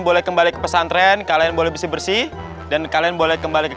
boleh kembali ke pesantren kalian boleh bersih bersih dan kalian boleh kembali ke